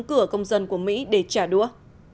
cửa công dân của mỹ để trả đũa